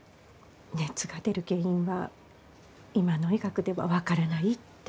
熱が出る原因は今の医学では分からないって。